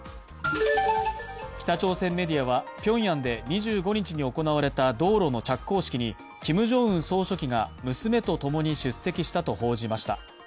北朝鮮メディアはピョンヤンで２５日に行われた道路の着工式にキム・ジョンウン総書記が娘とともに出席したと報じました。